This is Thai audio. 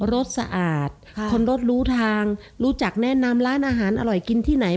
สะอาดคนรถรู้ทางรู้จักแนะนำร้านอาหารอร่อยกินที่ไหน